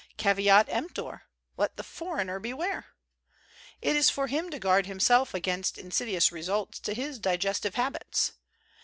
Caveat cmptor let the foreigner be ware. It is for him to guard himself against in sidious results to his digestive habits.